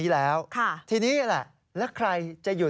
ฮ่าฮ่าฮ่าฮ่าฮ่า